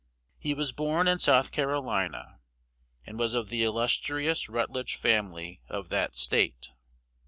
He was born in South Carolina, and was of the illustrious Rutledge family of that State.